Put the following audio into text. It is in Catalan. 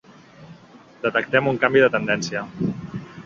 Detectem un canvi de tendència.